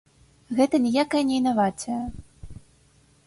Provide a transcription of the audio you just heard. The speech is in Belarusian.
Гэта ніякая не інавацыя!